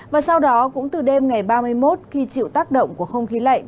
và sau đó cũng từ đêm ngày ba mươi một khi chịu tác động của không khí lạnh